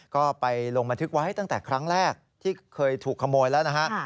ก็ไปลงบันทึกไว้ตั้งแต่ครั้งแรกที่เคยถูกขโมยแล้วนะฮะ